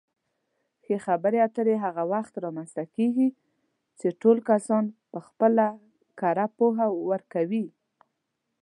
ښې خبرې اترې هغه وخت رامنځته کېږي چې ټول کسان پخپله کره پوهه ورکوي.